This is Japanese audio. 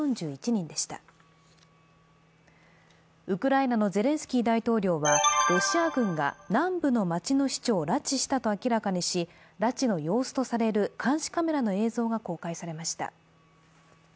ウクライナのゼレンスキー大統領はロシア軍が南部の街の市長を拉致したと明らかにし拉致の様子とされる監視カメラの映像が公開されました。